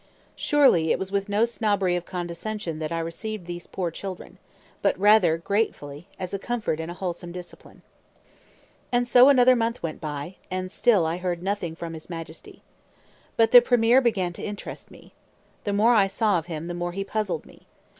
Surely it was with no snobbery of condescension that I received these poor children, but rather gratefully, as a comfort and a wholesome discipline. And so another month went by, and still I heard nothing from his Majesty. But the premier began to interest me. The more I saw of him the more he puzzled me.